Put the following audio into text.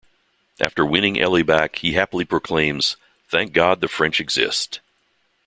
After winning Ellie back, he happily proclaims, Thank God the French exist.